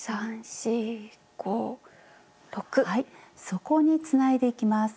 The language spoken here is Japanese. そこにつないでいきます。